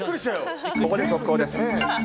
ここで速報です。